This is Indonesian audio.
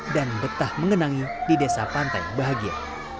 dan betah mengenangi di desa pantai bahagia